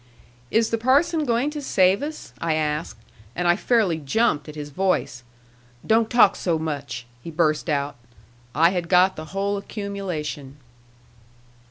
"Is the parson going to save us?" I asked; and I fairly jumped at his voice: "Don't talk so much!" he burst out. I had got the whole accumulation!